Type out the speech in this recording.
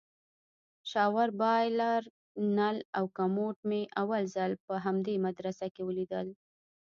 شاور بايلر نل او کموډ مې اول ځل په همدې مدرسه کښې وليدل.